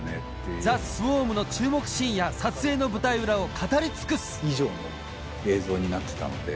『ＴＨＥＳＷＡＲＭ』の注目シーンや撮影の舞台裏を語り尽くす以上の映像になってたので。